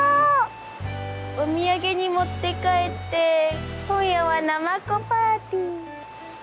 お土産に持って帰って今夜はなまこパーティー。